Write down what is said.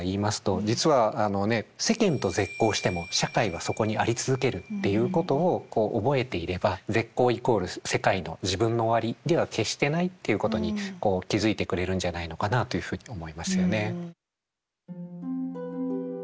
実はあのね世間と絶交しても社会はそこにありつづけるっていうことを覚えていれば絶交イコール世界の自分の終わりでは決してないっていうことに気付いてくれるんじゃないのかなというふうに思いますよね。